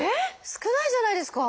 少ないじゃないですか！